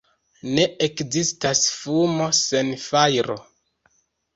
Ne ekzistas fumo sen fajro.